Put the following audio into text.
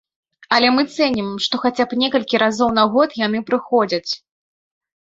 Але мы цэнім, што хаця б некалькі разоў на год яны прыходзяць.